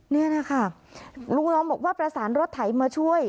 นี่นะคะลุงลองบอกว่าประสานรถไถมาช่วย